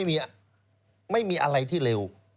ก็ไม่มีอะไรที่เร็ว